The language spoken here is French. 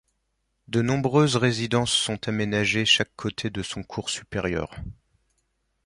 De nombreuses résidences sont aménagées chaque côté de son cours supérieur.